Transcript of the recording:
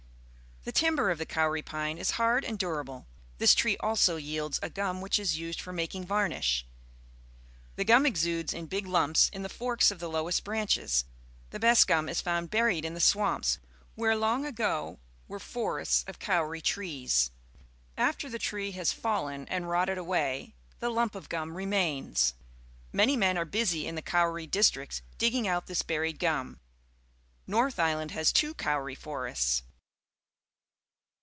The timber of the kauri pine is hard and durable. This tree also yields a. piim which is used for making vaj; nish. The gimi exudes in big lumps in the forks of the lowest branches. The best gum is found buried in the swamps, where long ago were forests of kauri trees. After the tree has fallen and rotted away, the lump of gum remains. Many men are busy in the kauri districts digging out tliis buried gimi. Nort h Island Jia^ two kauri_foj;^t^.